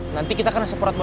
nanti kita kena seporat bos aep